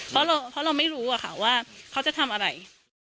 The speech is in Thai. เพราะเราไม่รู้ว่าเขาจะทำอะไร